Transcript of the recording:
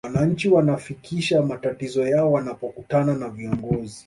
wananchi wanafikisha matatizo yao wanapokutana na viongozi